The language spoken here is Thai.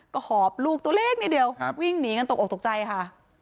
ก็หอบลูกตัวเล็กนิดเดียววิ่งหนีกันตกออกตกใจค่ะ